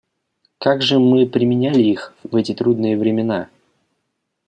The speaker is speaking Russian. Как же мы применяли их в эти трудные времена?